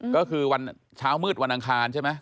ก็คือวันเช้ามืดวันอังคารใช่ไหม